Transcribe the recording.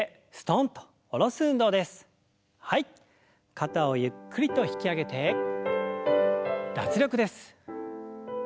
肩をゆっくりと引き上げて脱力です。